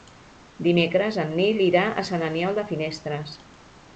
Dimecres en Nil irà a Sant Aniol de Finestres.